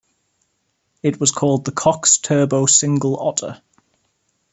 It was called the Cox Turbo Single Otter.